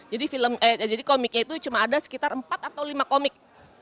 jadi komiknya itu cuma ada sekitar empat atau lima komik